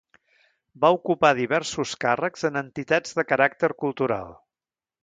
Va ocupar diversos càrrecs en entitats de caràcter cultural.